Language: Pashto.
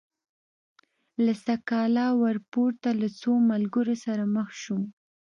له سکالا ورپورته له څو ملګرو سره مخ شوم.